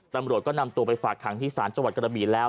ตำรวจก็นำตัวไปฝากขังที่ศาลจังหวัดกระบีแล้ว